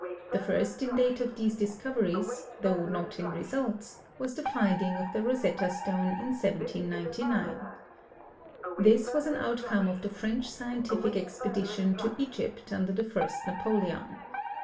The first in date of these discoveries, though not in results, was the finding of the Rosetta Stone in 1799. This was an outcome of the French scientific expedition to Egypt under the first Napoleon.